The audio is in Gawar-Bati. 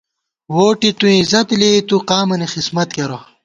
ووٹی تُوئیں عزت لېئی تُو، قامَنی خِسمت کېرہ